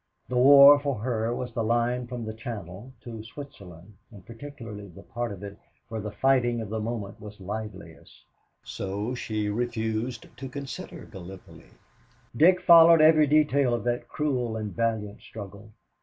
The war for her was the line from the Channel to Switzerland, and particularly the part of it where the fighting of the moment was liveliest, so she refused to consider Gallipoli. Dick followed every detail of that cruel and valiant struggle.